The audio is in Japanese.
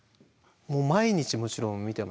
もう毎日もちろん見てますよね。